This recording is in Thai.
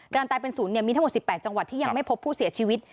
การตายเป็นศูนย์มีทั้งหมด๑๘จังหวัดที่ยังไม่พบผู้เสียชีวิต